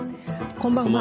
こんばんは。